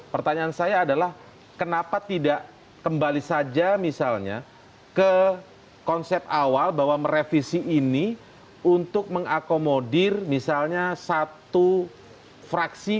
pertanyaan saya adalah kenapa tidak kembali saja misalnya ke konsep awal bahwa merevisi ini untuk mengakomodir misalnya satu fraksi